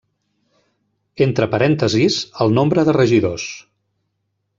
Entre parèntesis el nombre de regidors.